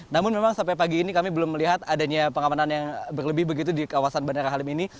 namun memang sampai pagi ini kami belum melihat adanya pengamanan yang berlebih begitu di kawasan bandara halim ini